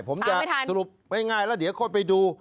ผมจะสรุปง่ายแล้วเดี๋ยวค่อยไปดู